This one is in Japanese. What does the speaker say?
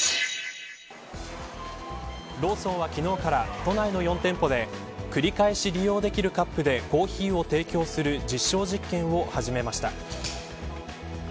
ローソンは昨日から都内の４店舗で繰り返し利用できるカップでコーヒーを提供する実証実験を始めました。